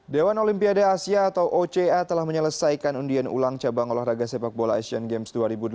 dewan olimpiade asia atau oca telah menyelesaikan undian ulang cabang olahraga sepak bola asian games dua ribu delapan belas